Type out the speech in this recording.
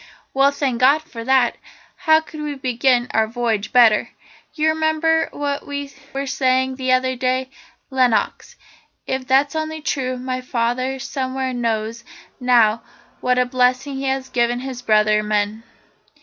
"Well, thank God for that. How could we begin our voyage better? You remember what we were saying the other day, Lenox. If that's only true, my father somewhere knows now what a blessing he has given his brother men!